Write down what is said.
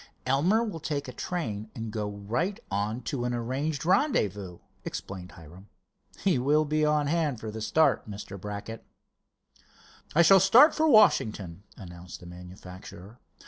"Elmer will take a train and go right on to an arranged rendezvous," explained Hiram. "He will be on hand for the start, Mr. Brackett." "I shall start for Washington," announced the manufacturer.